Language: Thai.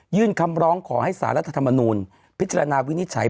คำร้องขอให้สารรัฐธรรมนูลพิจารณาวินิจฉัย